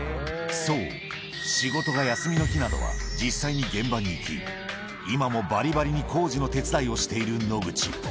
そう、仕事が休みの日などは実際に現場に行き、今もばりばりに工事の手伝いをしている野口。